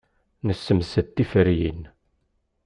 Nessemsed tiferyin.